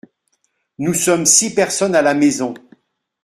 Nous sommes six personnes à la maison.